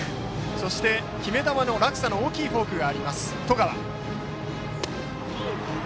そして、決め球の落差の大きいフォークがある十川。